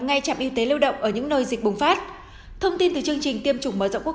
ngay trạm y tế lưu động ở những nơi dịch bùng phát thông tin từ chương trình tiêm chủng mở rộng quốc